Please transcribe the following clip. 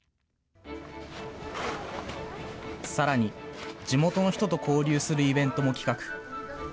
さらに、地元の人と交流するイベントも企画。